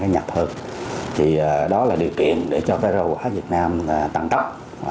nhập hơn thì đó là điều kiện để cho rau quả việt nam tăng tốc